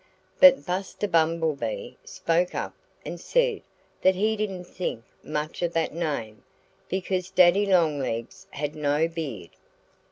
But Buster Bumblebee spoke up and said that he didn't think much of that name, because Daddy Longlegs had no beard.